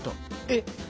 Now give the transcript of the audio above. えっ！